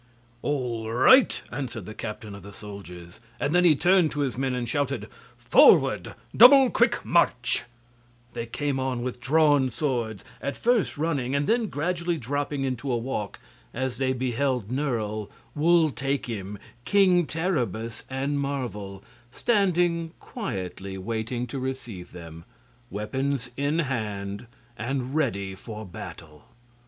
"All right," answered the captain of the soldiers; and then he turned to his men and shouted: "Forward double quick march!" They came on with drawn swords; at first running, and then gradually dropping into a walk, as they beheld Nerle, Wul Takim, King Terribus and Marvel standing quietly waiting to receive them, weapons in hand and ready for battle.